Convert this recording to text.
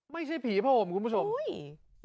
ไม่ใช่ผีพระห่มคุณผู้ชม